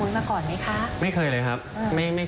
แต่แสงก็สำคัญเราก็เคยถ่ายฉากเที่ยวคลาน